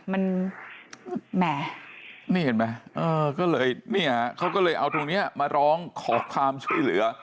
มันแหมนี่เห็นไหมเขาก็เลยเอาตรงนี้มาร้องขอความช่วยเหลือ